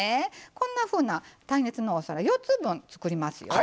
こんなふうな耐熱のお皿４つ分作りますよ。